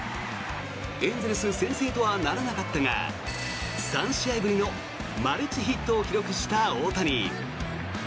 エンゼルス先制とはならなかったが３試合ぶりのマルチヒットを記録した大谷。